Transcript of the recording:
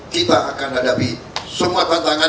kita akan hadapi semua tantangan